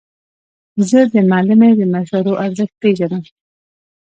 زه د معلمې د مشورو ارزښت پېژنم.